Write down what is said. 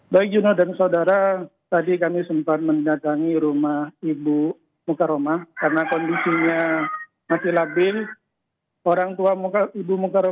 baik juno dan saudara